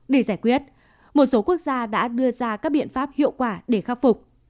để giải quyết một số quốc gia đã đưa ra các biện pháp hiệu quả để khắc phục